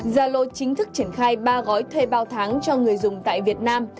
zalo chính thức triển khai ba gói thuê bao tháng cho người dùng tại việt nam